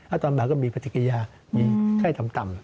แล้วตอนบ่ายก็มีปฏิกิญญามีไข้ต่ำ